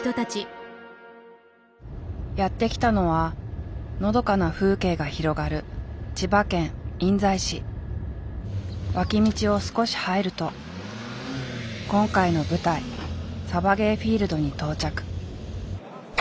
やって来たのはのどかな風景が広がる脇道を少し入ると今回の舞台サバゲーフィールドに到着。